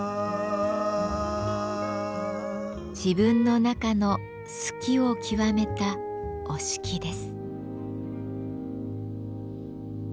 自分の中の「好き」を極めた折敷です。